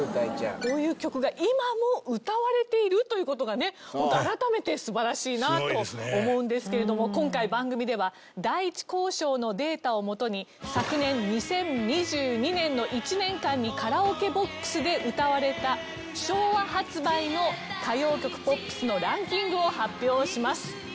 こういう曲が今も歌われているという事がねホント改めて素晴らしいなと思うんですけれども今回番組では第一興商のデータを基に昨年２０２２年の１年間にカラオケボックスで歌われた昭和発売の歌謡曲・ポップスのランキングを発表します。